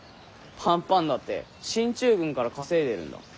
パンパンだって進駐軍から稼いでるんだ。